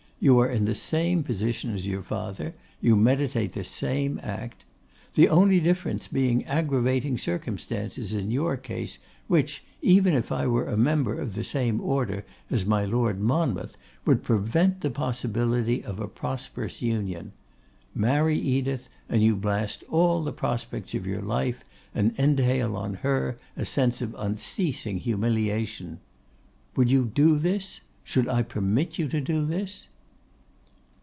You are in the same position as your father; you meditate the same act. The only difference being aggravating circumstances in your case, which, even if I were a member of the same order as my Lord Monmouth, would prevent the possibility of a prosperous union. Marry Edith, and you blast all the prospects of your life, and entail on her a sense of unceasing humiliation. Would you do this? Should I permit you to do this?